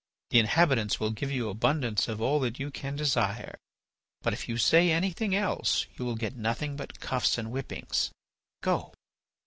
The inhabitants will give you abundance of all that you can desire. But if you say anything else you will get nothing but cuffs and whippings. Go!"